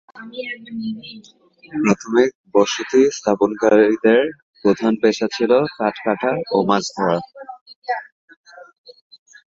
প্রাথমিক বসতি স্থাপনকারীদের প্রধান পেশা ছিল কাঠ কাটা ও মাছ ধরা।